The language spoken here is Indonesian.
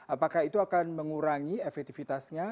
apakah itu akan mengurangi efektivitasnya